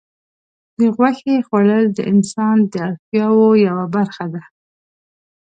د غوښې خوړل د انسان د اړتیاوو یوه برخه ده.